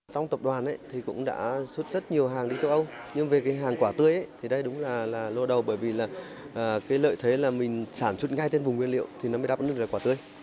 trong tập đoàn cũng đã xuất rất nhiều hàng đi châu âu nhưng về hàng quả tươi thì đây đúng là lô đầu bởi vì lợi thế là mình sản xuất ngay trên vùng nguyên liệu thì nó mới đáp ứng được quả tươi